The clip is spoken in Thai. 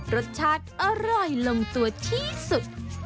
รสชาติอร่อยลงตัวที่สุด